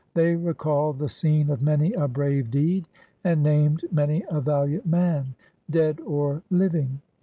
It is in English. They recalled the scene of many a 471 SOUTH AFRICA brave deed, and named many a valiant man, dead or living.